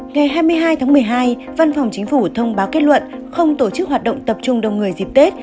ngày hai mươi hai tháng một mươi hai văn phòng chính phủ thông báo kết luận không tổ chức hoạt động tập trung đông người dịp tết